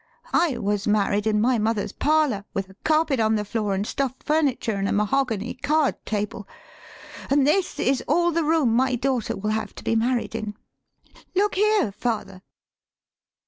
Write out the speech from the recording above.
I was married in my mother's parlor, with a carpet on the floor, an' stuffed furniture, an' a mahogany card table. An' this is all the room my daughter will have to be married in. Look here, father!"